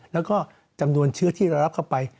แล้วก็จำนวนเชื้อที่เรารับเข้าไป